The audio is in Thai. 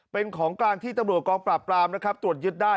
เป็นของกลางที่ตำรวจกองปราบปรามนะครับตรวจยึดได้